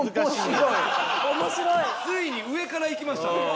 ついに上からいきましたね。